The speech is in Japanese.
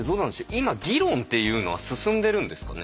今議論っていうのは進んでるんですかね。